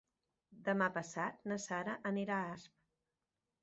Demà passat na Sara anirà a Asp.